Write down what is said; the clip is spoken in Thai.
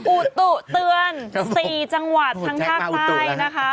อุตุเตือน๔จังหวัดทั้งภาคใต้นะคะ